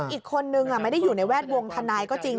อีกคนนึงไม่ได้อยู่ในแวดวงทนายก็จริง